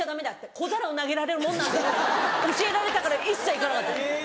小皿を投げられるもんなんだよ」って教えられたから一切行かなかった。